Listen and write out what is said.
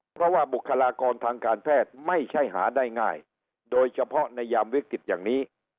เพราะว่าบุคลากรทางการแพทย์ไม่ใช่หาได้ง่ายโดยเฉพาะในยามวิกฤตอย่างนี้